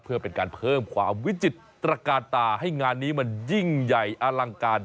เพื่อเป็นการเพิ่มความวิจิตรการตาให้งานนี้มันยิ่งใหญ่อลังการ